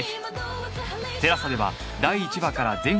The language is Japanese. ＴＥＬＡＳＡ では第１話から全話配信中